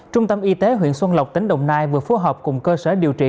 trung tâm y tế huyện xuân lộc tỉnh đồng nai vừa phối hợp cùng cơ sở điều trị